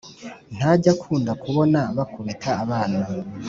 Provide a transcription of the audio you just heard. ntajya akunda kubona bakubita abana